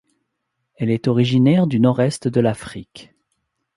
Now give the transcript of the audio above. Elle est originaire du nord-est de l'Afrique.